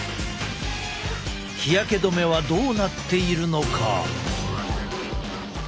日焼け止めはどうなっているのか？